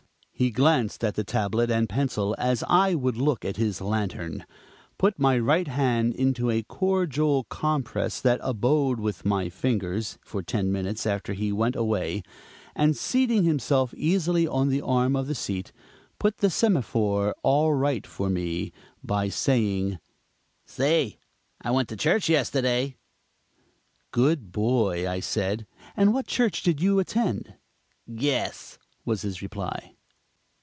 He glanced at the tablet and pencil as I would look at his lantern, put my right hand into a cordial compress that abode with my fingers for ten minutes after he went away, and seating himself easily on the arm of the seat, put the semaphore all right for me by saying: "Say, I went to church yesterday." "Good boy," I said, "and what church did you attend?" "Guess," was his reply.